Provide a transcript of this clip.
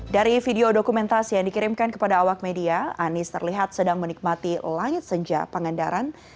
dari video dokumentasi yang dikirimkan kepada awak media anies terlihat sedang menikmati langit senja pangandaran